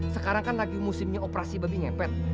sekarang kan lagi musimnya operasi babi ngepet